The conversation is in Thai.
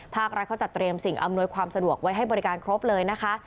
ภาครัฐเขาจัดเตรียมสิ่งอำนวยความสะดวกไว้ให้บริการครบเลยนะคะ